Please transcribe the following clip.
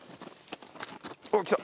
おっ来た！